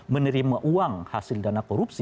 menerima uang hasil dana korupsi